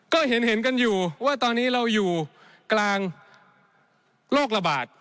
ก็เห็นกันอยู่ว่าตอนนี้เราอยู่กลางโรคระบาด